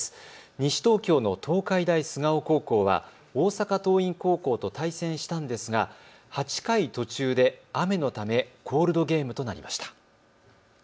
西東京の東海大菅生高校は、大阪桐蔭高校と対戦したんですが８回途中で雨のためコールドゲームとなりました。